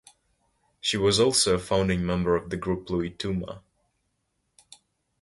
She was also a founding member of the group Loituma.